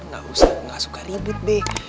gak usah gak suka ribut be